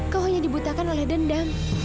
kau hanya dibutakan oleh dendam